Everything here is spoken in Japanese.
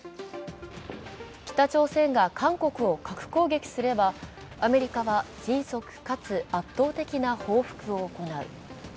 北朝鮮が韓国を核攻撃すれば、アメリカは迅速かつ圧倒的な報復を行う。